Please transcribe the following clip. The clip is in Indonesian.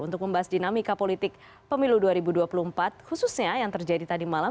untuk membahas dinamika politik pemilu dua ribu dua puluh empat khususnya yang terjadi tadi malam